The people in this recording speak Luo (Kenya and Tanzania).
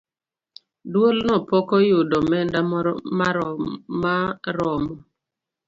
Duolno pok oyudo omenda maromo